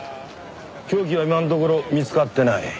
凶器は今のところ見つかってない。